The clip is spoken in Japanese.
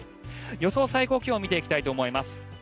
予想最高気温見ていきたいと思います。